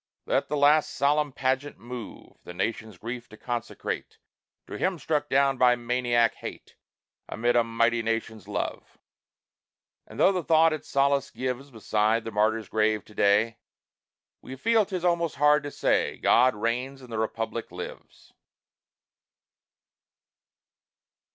Let the last solemn pageant move, The nation's grief to consecrate To him struck down by maniac hate Amid a mighty nation's love; And though the thought it solace gives, Beside the martyr's grave to day We feel 'tis almost hard to say: "God reigns and the Republic lives!"